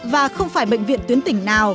và không phải bệnh viện tuyến tỉnh nào